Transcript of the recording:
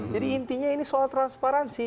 jadi intinya ini soal transparansi